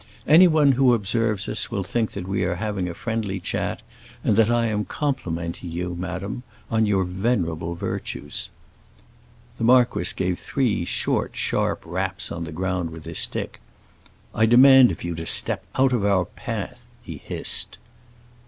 Anyone who observes us will think that we are having a friendly chat, and that I am complimenting you, madam, on your venerable virtues." The marquis gave three short sharp raps on the ground with his stick. "I demand of you to step out of our path!" he hissed.